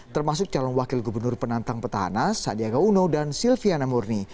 termasuk calon wakil gubernur penantang petahana sandiaga uno dan silviana murni